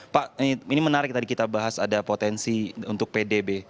pak ini menarik tadi kita bahas ada potensi untuk pdb